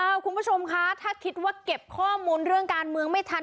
คุณผู้ชมคะถ้าคิดว่าเก็บข้อมูลเรื่องการเมืองไม่ทัน